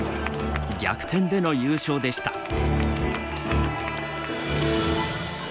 逆転での優勝でした。